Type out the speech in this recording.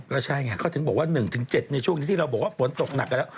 ก็ใช่ไงเขาถึงบอกว่า๑๗ในช่วงนี้ที่เราบอกว่าฝนตกหนักกันแล้ว